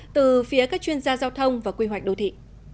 từ phía các chuyên gia giao thông và quy hoạch đô thị